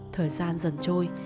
thời gian dần trôi